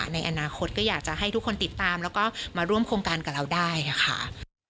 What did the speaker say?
ในอนาคตก็อยากจะให้ทุกคนติดตามแล้วก็มาร่วมโครงการกับเราได้ค่ะ